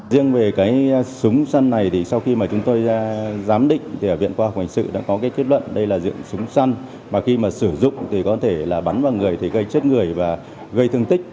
riêng về cái súng săn này thì sau khi mà chúng tôi giám định thì ở viện khoa học hành sự đã có cái kết luận đây là dụng súng săn mà khi mà sử dụng thì có thể là bắn vào người thì gây chết người và gây thương tích